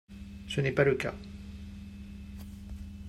Ce n’est pas le cas